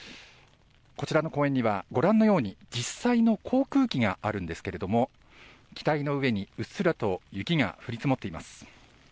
こちらの公園にはご覧のように実際の航空機があるんですけれども機体の上に、うっすらと雪が降り積もっています。